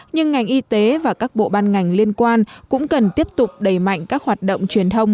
nhưng ngành y tế và các bộ ban ngành liên quan cũng cần tiếp tục đẩy mạnh các hoạt động truyền thông